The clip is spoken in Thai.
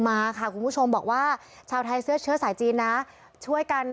มาค่ะคุณผู้ชมบอกว่าชาวไทยเสื้อเชื้อสายจีนนะช่วยกัน